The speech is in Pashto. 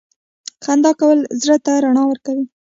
• خندا کول زړه ته رڼا ورکوي.